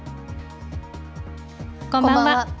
こんばんは。